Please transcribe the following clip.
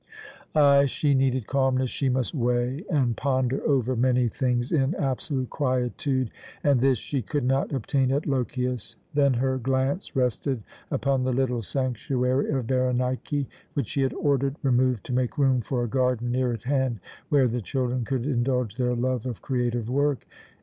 Ay, she needed calmness! She must weigh and ponder over many things in absolute quietude, and this she could not obtain at Lochias. Then her glance rested upon the little sanctuary of Berenike, which she had ordered removed to make room for a garden near at hand, where the children could indulge their love of creative work.